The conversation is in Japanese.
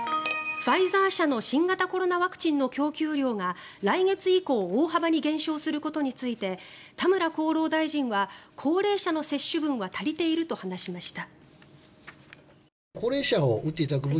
ファイザー社の新型コロナワクチンの供給量が来月以降大幅に減少することについて田村厚労大臣は高齢者の接種分は足りていると話しました。